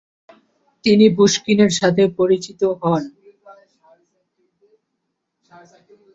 তিনি পুশকিনের সাথে পরিচিত হন।